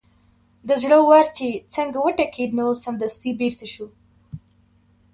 د زړه ور چې څنګه وټکېد نو سمدستي بېرته شو.